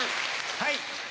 はい。